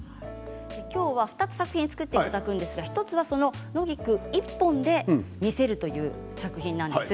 今日は２作品を作っていただくんですが１つは野菊１本で見せるという作品なんです。